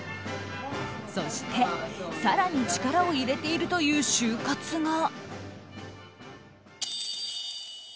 そして、更に力を入れているという終活が。